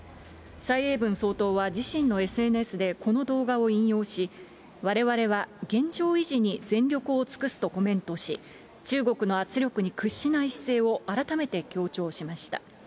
蔡英文総統は自身のＳＮＳでこの動画を引用し、われわれは現状維持に全力を尽くすとコメントし、中国の圧力に屈しない姿勢を改めて強調しました。